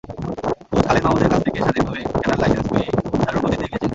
Coach খালেদ মাহমুদের কাছ থেকে স্বাধীনভাবে খেলার লাইসেন্স পেয়েই দারুণ গতিতে এগিয়েছেন।